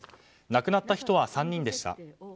亡くなった人は３人でした。